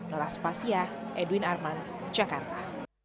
nolas pas ya edwin arman jakarta